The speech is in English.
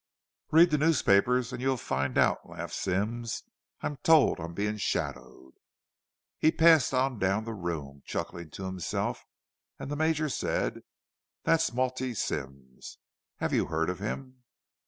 "Read the newspapers, and you'll find out," laughed Symmes. "I'm told I'm being shadowed." He passed on down the room, chuckling to himself; and the Major said, "That's Maltby Symmes. Have you heard of him?"